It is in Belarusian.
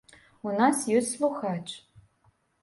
У нас ёсць слухач.